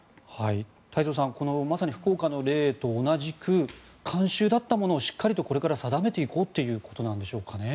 太蔵さんまさに福岡の例と同じく慣習だったものをしっかりと定めていこうということでしょうかね？